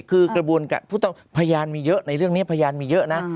คือกระบวนการผู้ต้องพยานมีเยอะในเรื่องนี้พยานมีเยอะนะ